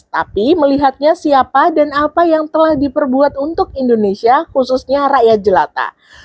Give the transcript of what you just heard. tapi melihatnya siapa dan apa yang telah diperbuat untuk indonesia khususnya rakyat jelata